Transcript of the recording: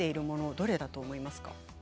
どれだと思いますか？